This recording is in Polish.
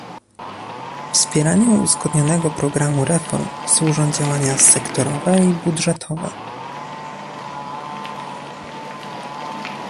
Wspieraniu uzgodnionego programu reform służą działania sektorowe i budżetowe